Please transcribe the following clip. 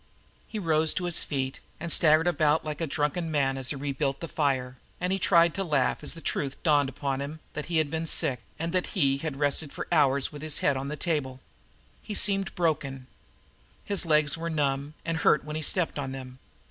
He rose to his feet, and staggered about like a drunken man as he rebuilt the fire, and he tried to laugh as the truth dawned upon him that he had been sick, and that he had rested for hours with his head on the table. His back seemed broken. His legs were numb, and hurt when he stepped on them.